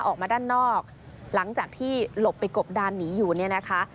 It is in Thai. ออกมาด้านนอกหลังจากที่หลบไปกบดานหนีอยู่เนี่ยนะคะ